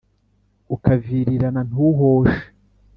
ukavirirana ntuhoshe